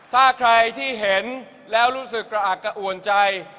ถ้าใครที่เห็นแล้วรู้สึกกระอักกระอ่วนใจ